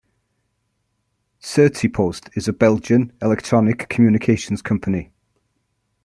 Certipost is a Belgian electronic communications company.